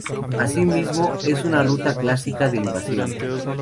Así mismo es una ruta clásica de invasión.